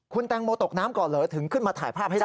คุณแตงโมตกน้ำก่อนเหรอถึงขึ้นมาถ่ายภาพให้ได้